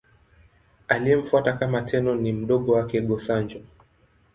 Aliyemfuata kama Tenno ni mdogo wake, Go-Sanjo.